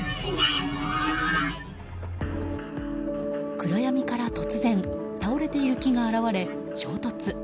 暗闇から突然倒れている木が現れ衝突。